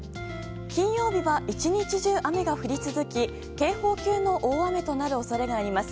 金曜日は１日中、雨が降り続き警報級の大雨となる恐れがあります。